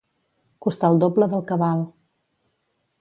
Costar el doble del que val.